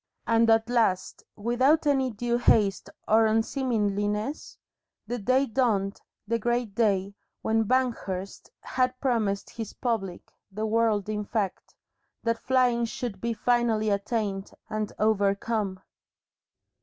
And at last, without any undue haste or unseemliness, the day dawned, the great day, when Banghurst had promised his public the world in fact that flying should be finally attained and overcome.